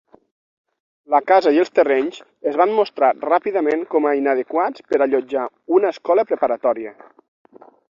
La casa i els terrenys es van mostrar ràpidament com a inadequats per allotjar una escola preparatòria.